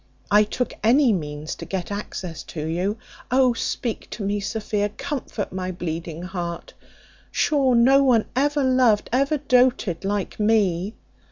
I took any means to get access to you. O speak to me, Sophia! comfort my bleeding heart. Sure no one ever loved, ever doated like me.